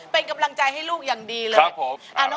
โอ้โฮเป็นกำลังใจให้ลูกอย่างดีเลย